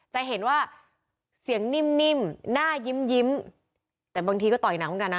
จะเห็นว่าเสียงนิ่มหน้ายิ้มยิ้มแต่บางทีก็ต่อยหนักเหมือนกันนะ